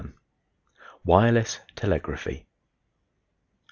WIRELESS TELEGRAPHY.